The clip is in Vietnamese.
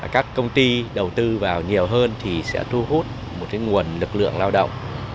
các công ty đầu tư vào nhiều hơn thì sẽ thu hút một nguồn lực lượng lao động